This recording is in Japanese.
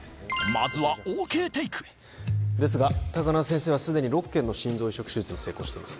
まずはＯＫテイクですが高輪先生はすでに６件の心臓移植手術に成功しています